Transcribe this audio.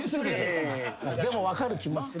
でも分かる気もする。